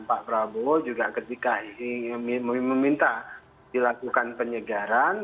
pak prabowo juga ketika ini meminta dilakukan penyegaran